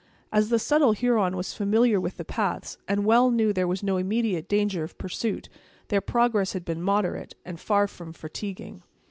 As the subtle Huron was familiar with the paths, and well knew there was no immediate danger of pursuit, their progress had been moderate, and far from fatiguing.